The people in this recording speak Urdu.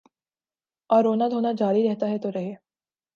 اوررونا دھونا جاری رہتاہے تو رہے۔